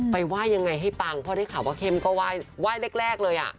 ไปไหว้อย่างไรให้ปังเพราะได้ข่าวว่าเข้มก็ไหว้แรกเลย